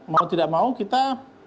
mau tidak mau kita